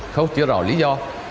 không chia rõ lý do